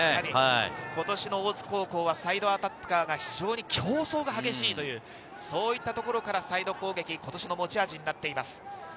今年の大津高校はサイドアタッカーが非常に競争が激しいという、そういったところからサイド攻撃、今年の持ち味になっています。